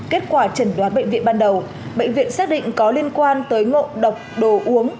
kết quả trần đoán bệnh viện ban đầu bệnh viện xác định có liên quan tới ngộ độc đồ uống